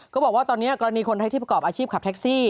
บอกว่าตอนนี้กรณีคนไทยที่ประกอบอาชีพขับแท็กซี่